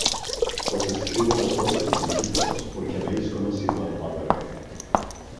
Os escribo á vosotros, hijitos, porque habéis conocido al Padre.